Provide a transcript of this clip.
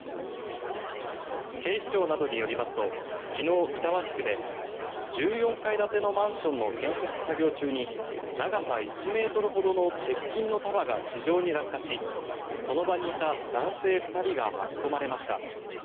警視庁などによりますと昨日、板橋区で１４階建てのマンションの建設作業中に長さ１ｍほどの鉄筋の束が地上に落下しその場にいた男性２人が巻き込まれました。